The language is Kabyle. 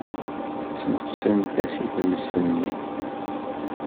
Sneqsent-as i tmes-nni.